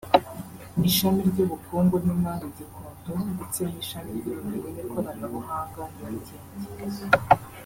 ishami ry’ubukungu n’imari (Gikondo) ndetse n’ishami ry’ubumenyi n’Ikoranabuhanga (Nyarugenge)